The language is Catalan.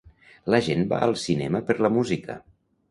La gent va al cinema per la música.